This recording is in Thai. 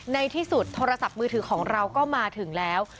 ในที่สุดโทรศัพท์มือถือของเราก็มาถึงแล้ว